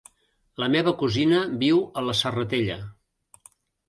La meva cosina viu a la Serratella.